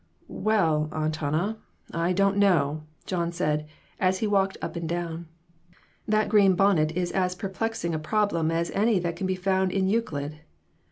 "Well, Aunt Hannah, I don't know," John said, as he walked up and down ;" that green bonnet is as perplexing a problem as any that can be found in Euclid.